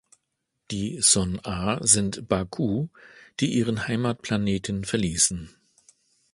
Die Son’a sind Ba’ku, die ihren Heimatplaneten verließen.